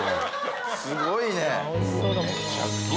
すごいね。